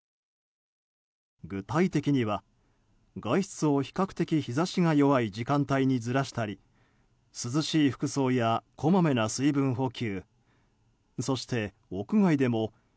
具体的には外出を、比較的日差しが弱い時間帯にずらしたり涼しい服装やこまめな水分補給